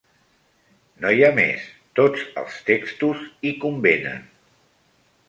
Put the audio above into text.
-No hi ha més. Tots els textos hi convenen…